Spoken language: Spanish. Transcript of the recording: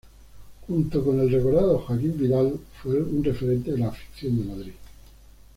Junto con el recordado Joaquín Vidal, fue un referente de la afición de Madrid.